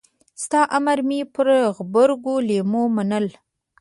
ستا امر مې پر غبرګو لېمو منل.